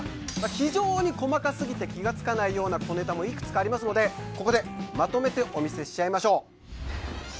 非常に細かすぎて気がつかないような小ネタもいくつかありますのでここでまとめてお見せしちゃいましょう。